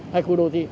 hay khu đô thị